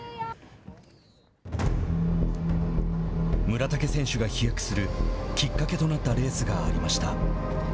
村竹選手が飛躍するきっかけとなったレースがありました。